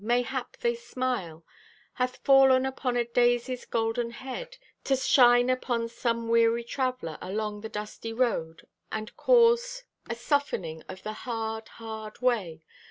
Mayhap thy smile Hath fallen upon a daisy's golden head, To shine upon some weary traveler Along the dusty road, and cause A softening of the hard, hard way.